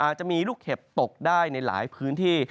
อาจจะมีลูกเห็บตกได้ในหลายพื้นที่